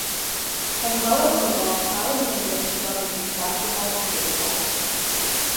As well as football, Alexander excelled in basketball and baseball.